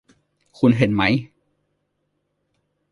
คุณเห็นไหม